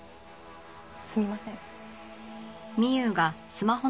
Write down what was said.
すみません。